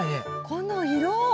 この色！